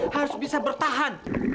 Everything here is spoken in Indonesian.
harus bisa bertahan